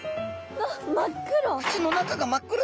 わっ真っ黒！